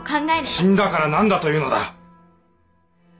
死んだから何だというのだ！